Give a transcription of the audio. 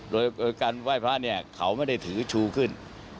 โดยเวลาการไหว้พระเขาไม่ได้ถือชูขึ้น